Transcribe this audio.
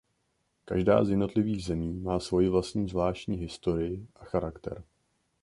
Každá z jednotlivých zemí má svoji vlastní zvláštní historii a charakter.